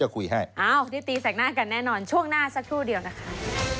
คุยให้อ้าวได้ตีแสกหน้ากันแน่นอนช่วงหน้าสักครู่เดียวนะคะ